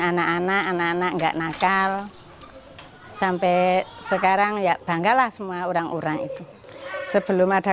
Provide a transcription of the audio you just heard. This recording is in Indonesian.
anak anak anak enggak nakal sampai sekarang ya banggalah semua orang orang itu sebelum ada